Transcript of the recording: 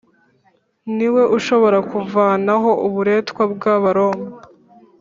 ni we ushobora kuvanaho uburetwa bw’abaroma